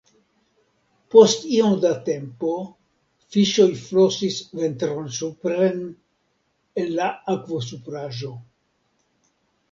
Post iom da tempo fiŝoj flosis ventron supren en la akvosupraĵo.